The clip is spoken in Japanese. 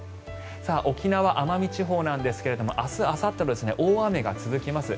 沖縄・奄美地方ですが明日、あさってと大雨が続きます。